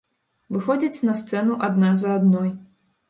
Выходзяць на сцэну адна за адной.